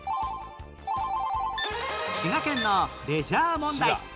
滋賀県のレジャー問題